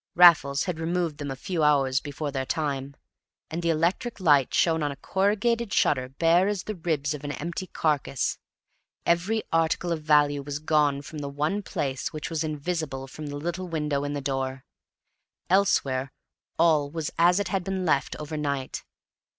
Raffles had removed them a few hours before their time, and the electric light shone on a corrugated shutter bare as the ribs of an empty carcase. Every article of value was gone from the one place which was invisible from the little window in the door; elsewhere all was as it had been left overnight.